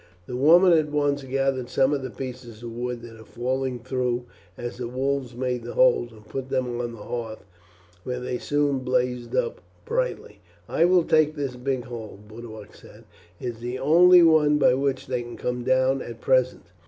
The woman at once gathered some of the pieces of wood that had fallen through as the wolves made the holes and put them on the hearth, where they soon blazed up brightly. "I will take this big hole," Boduoc said, "it is the only one by which they can come down at present.